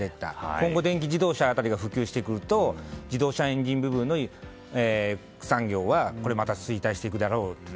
今度、電気自動車が普及すると自動車のエンジン部分の産業は衰退していくだろうと。